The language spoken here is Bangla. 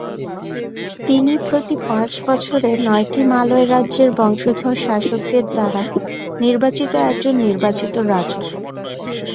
তিনি প্রতি পাঁচ বছরে নয়টি মালয় রাজ্যের বংশধর শাসকদের দ্বারা নির্বাচিত একজন নির্বাচিত রাজা।